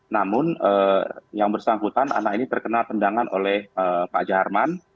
namun yang bersangkutan anak ini terkena tendangan oleh pak jaharman